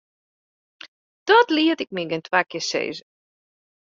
Dat liet ik my gjin twa kear sizze.